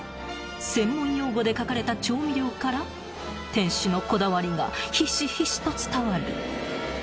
［専門用語で書かれた調味料から店主のこだわりがひしひしと伝わる］